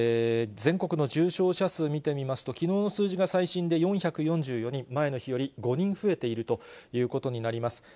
全国の重症者数見てみますと、きのうの数字が最新で４４４人、前の日より５人増えているということになります。